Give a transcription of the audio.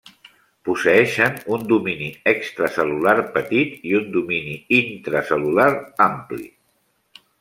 Posseeixen un domini extracel·lular petit i un domini intracel·lular ampli.